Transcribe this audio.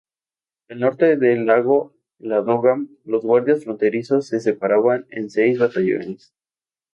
Al norte del lago Ladoga, los Guardias Fronterizos se separaron en seis batallones.